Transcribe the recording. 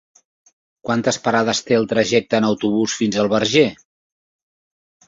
Quantes parades té el trajecte en autobús fins al Verger?